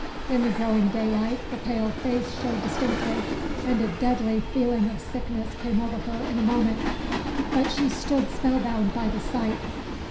In the growing daylight the pale face showed distinctly, and a deadly feeling of sickness came over her in a moment; but she stood spell bound by the sight.